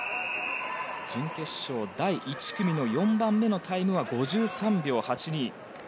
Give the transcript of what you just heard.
準決勝第１組の４番目のタイムは５３秒８２。